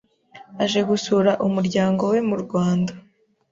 aje gusura umuryango we mu Rwanda.